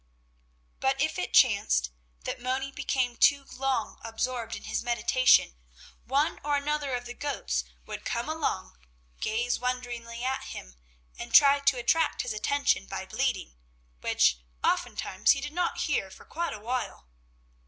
But if it chanced that Moni became too long absorbed in his meditation, one or another of the goats would come along, gaze wonderingly at him and try to attract his attention by bleating, which oftentimes he did not hear for quite a while.